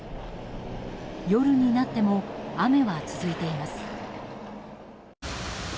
夜になっても雨は続いています。